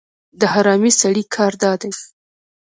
د حرامي سړي کار دا دی.